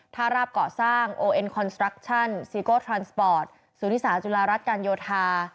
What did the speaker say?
ถ้าราบเกาะสร้างโอเอ็นคอนสตรักชั่นซีโก้ทรานสปอร์ตสุริสาจุฬารัฐการโยธา